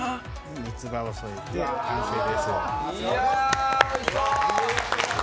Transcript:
三つ葉を添えて完成です。